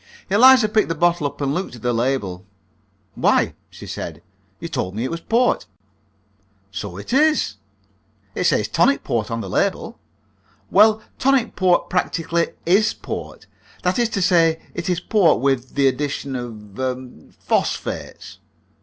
Eliza picked the bottle up and looked at the label. "Why," she said, "you told me it was port!" "So it is." "It says tonic port on the label." "Well, tonic port practically is port. That is to say, it is port with the addition of er phosphates."